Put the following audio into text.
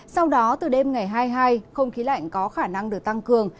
sau đó từ đêm ngày hai mươi hai không khí lạnh có khả năng được tăng cường